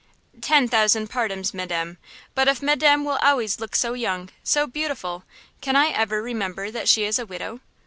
"Ten thousand pardons, madame! But if madame will always look so young, so beautiful, can I ever remember that she is a widow?"